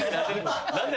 何で？